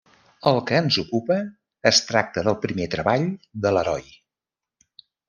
El que ens ocupa es tracta del primer treball de l'heroi.